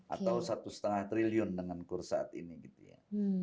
atau satu lima triliun dengan kursat ini gitu ya